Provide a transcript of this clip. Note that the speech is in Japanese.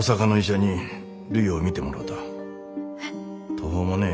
途方もねえ